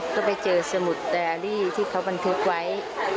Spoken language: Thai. ก็ไปเจอสมุดแตรี่ที่เขาบันทึกไว้